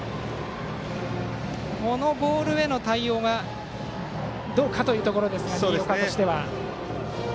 このボールへの対応がどうかというところですが新岡としては。